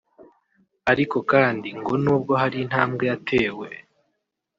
Ariko kandi ngo nubwo hari intambwe yatewe